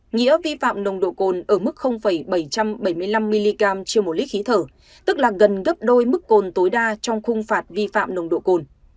nghĩa vi phạm nồng độ côn ở mức bảy trăm bảy mươi năm mg chiều một lít khí thở tức là gần gấp đôi mức côn tối đa trong khung phạt vi phạm nồng độ côn